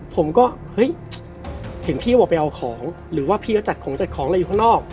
ผมก็เฮ้ยเห็นพี่ว่าไปเอาของหรือว่าพี่ก็จัดของจัดของอะไรอยู่ข้างนอก